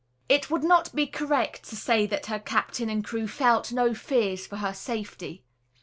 It would not be correct to say that her captain and crew felt no fears for her safety.